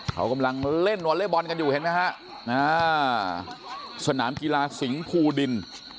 เขากำลังเล่นวอเล็กบอลกันอยู่เห็นไหมฮะสนามกีฬาสิงห์ภูดิน